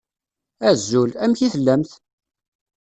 Azul! Amek i tellamt?